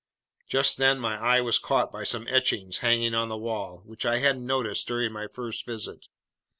Just then my eye was caught by some etchings hanging on the wall, which I hadn't noticed during my first visit.